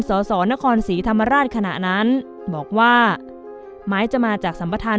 สสนครศรีธรรมราชขณะนั้นบอกว่าไม้จะมาจากสัมประธาน